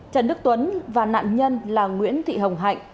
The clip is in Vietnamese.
trần đức tuấn và nạn nhân là nguyễn thị hồng hạnh